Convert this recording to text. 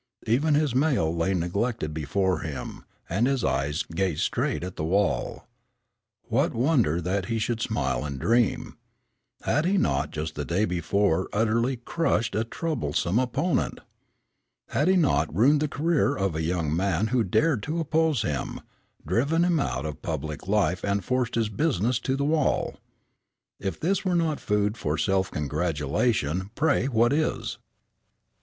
Even his mail lay neglected before him, and his eyes gazed straight at the wall. What wonder that he should smile and dream. Had he not just the day before utterly crushed a troublesome opponent? Had he not ruined the career of a young man who dared to oppose him, driven him out of public life and forced his business to the wall? If this were not food for self congratulation pray what is?